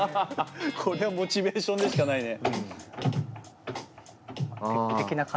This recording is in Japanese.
こりゃモチベーションでしかないね！